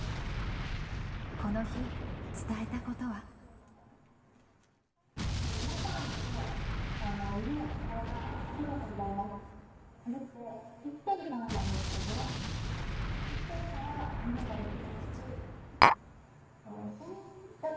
この日伝えたことはそれって。